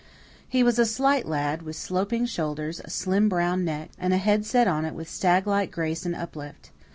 He was a slight lad, with sloping shoulders, a slim brown neck, and a head set on it with stag like grace and uplift.